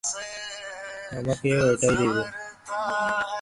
আমাকেও এটাই দিবেন।